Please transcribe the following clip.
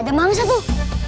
ada mangsat tuh